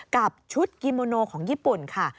กับชุดกิโมโนของญี่ปุ่นค่ะ